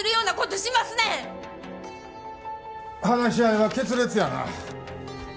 話し合いは決裂やな。